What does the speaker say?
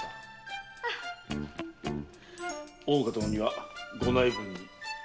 大岡殿にはご内聞に。